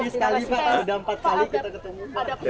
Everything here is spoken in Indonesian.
sekali sudah empat kali kita ketemu